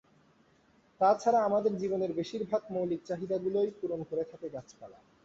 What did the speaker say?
তাছাড়া আমাদের জীবনের বেশিরভাগ মৌলিক চাহিদাগুলোই পূরণ করে থাকে গাছপালা।